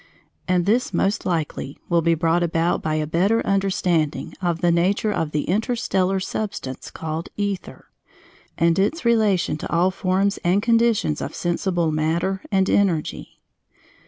And this, most likely, will be brought about by a better understanding of the nature of the interstellar substance called Ether, and its relation to all forms and conditions of sensible matter and energy.